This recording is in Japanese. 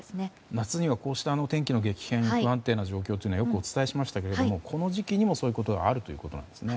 夏にはこうした天気の激変不安定な状況というのをよくお伝えしましたがこの時期にもそういうことがあるんですね。